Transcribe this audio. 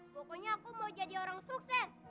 pokoknya aku mau jadi orang sukses